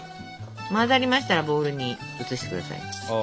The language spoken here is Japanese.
混ざりましたらボウルに移してください。